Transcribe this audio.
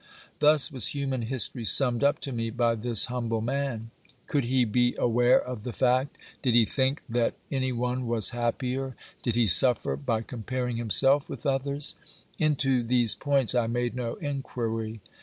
Thus was human history summed up to me by this humble man. Could he be aware of the fact ? Did he think that any 56 OBERMANN one was happier ? Did he suffer by comparing him self with others ? Into these points I made no inquiry.